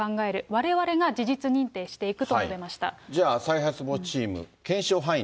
われわれが事実認定していくと述じゃあ再発防止チーム、検証